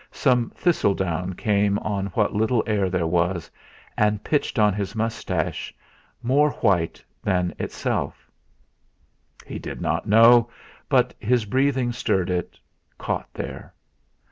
Some thistle down came on what little air there was, and pitched on his moustache more white than itself. He did not know; but his breathing stirred it, caught there.